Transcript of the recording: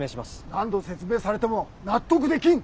何度説明されても納得できん！